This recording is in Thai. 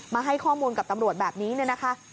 มาให้ข้อมูลกับตำรวจแบบนี้เนี่ยนะคะ